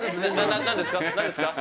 何ですか？